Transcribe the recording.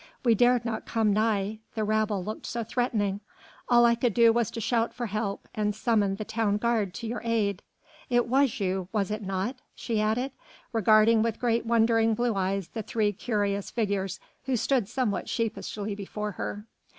We dared not come nigh, the rabble looked so threatening. All I could do was to shout for help, and summon the town guard to your aid. It was you, was it not?" she added, regarding with great wondering blue eyes the three curious figures who stood somewhat sheepishly before her.